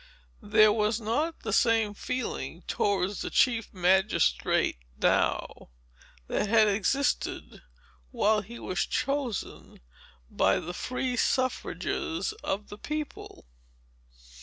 There was not the same feeling towards the chief magistrate, now, that had existed, while he was chosen by the free suffrages of the people.